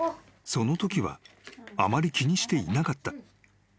［そのときはあまり気にしていなかった］